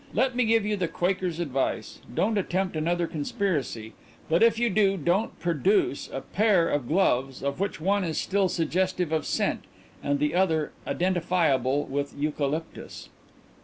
"Let me give you the quaker's advice: Don't attempt another conspiracy but if you do, don't produce a 'pair' of gloves of which one is still suggestive of scent, and the other identifiable with eucalyptus!"